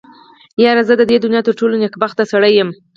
يره زه د دونيا تر ټولو نېکبخته سړی يم.